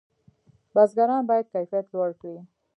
بزګران باید کیفیت لوړ کړي.